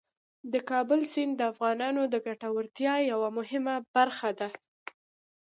د کابل سیند د افغانانو د ګټورتیا یوه مهمه برخه ده.